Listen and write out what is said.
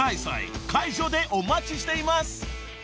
［会場でお待ちしています］